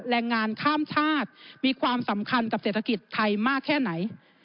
แรงงานข้ามชาติมีความสำคัญกับเศรษฐกิจไทยมากแค่ไหน